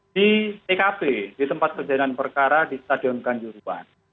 di tkp di tempat kejadian perkara di stadion kanjuruan